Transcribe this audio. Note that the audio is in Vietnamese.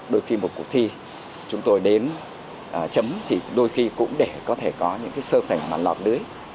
đôi khi một cuộc thi chúng tôi đến chấm thì đôi khi cũng để có thể có những sơ sảnh mà lọt lưới